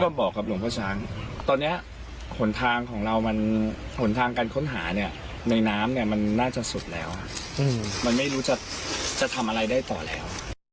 ก็บอกกับหลวงพ่อช้างตอนนี้หนทางของเรามันหนทางการค้นหาเนี่ยในน้ำเนี่ยมันน่าจะสุดแล้วมันไม่รู้จะทำอะไรได้ต่อแล้ว